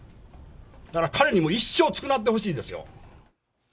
だから彼にも一生償ってほしいですよ。